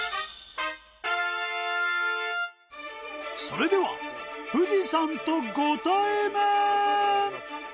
それでは富士山とご対面！